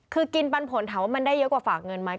คือกินปันผลถามว่ามันได้เยอะกว่าฝากเงินไหม